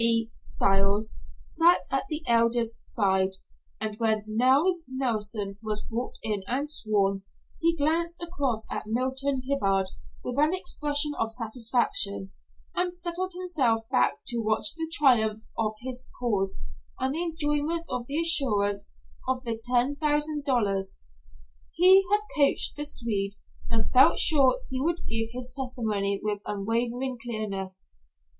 G. B. Stiles sat at the Elder's side, and when Nels Nelson was brought in and sworn, he glanced across at Milton Hibbard with an expression of satisfaction and settled himself back to watch the triumph of his cause and the enjoyment of the assurance of the ten thousand dollars. He had coached the Swede and felt sure he would give his testimony with unwavering clearness.